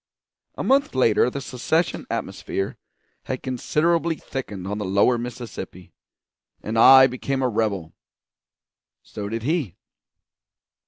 A month later the secession atmosphere had considerably thickened on the Lower Mississippi, and I became a rebel; so did he.